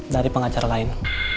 dari pengacara lain